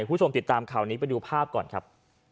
คุณผู้ชมติดตามข่าวนี้ไปดูภาพก่อนครับ